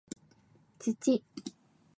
土